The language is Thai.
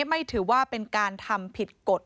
ไม่ถือว่าเป็นการทำผิดกฎ